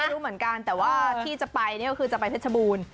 รู้เหมือนกันแต่ว่าที่จะไปเนี่ยก็คือจะไปเพชรบูรณ์